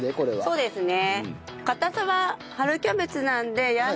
そうですね。